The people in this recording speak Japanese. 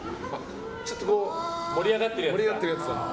ちょっと盛り上がってるやつだ。